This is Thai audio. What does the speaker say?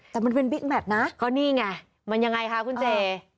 แต่มันเป็นบิ๊กแมทนะก็นี่ไงมันยังไงคะคุณเจ